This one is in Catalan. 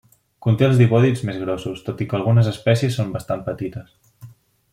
Conté els dipòdids més grossos, tot i que algunes espècies són bastant petites.